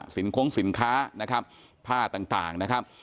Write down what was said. โค้งสินค้านะครับผ้าต่างนะครับ